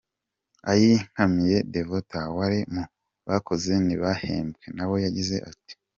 Ayinkamiye Devotha wari mu bakoze ntibahembwe, nawe yagize .